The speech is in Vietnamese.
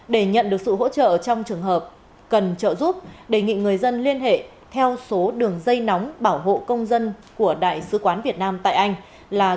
để nhận được sự hỗ trợ trong trường hợp cần trợ giúp đề nghị người dân liên hệ theo số đường dây nóng bảo hộ công dân của đại sứ quán việt nam tại anh là